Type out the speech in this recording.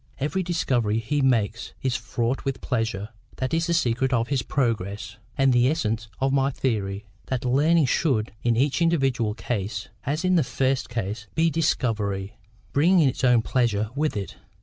Every discovery he makes is fraught with pleasure—that is the secret of his progress, and the essence of my theory: that learning should, in each individual case, as in the first case, be DISCOVERY—bringing its own pleasure with it.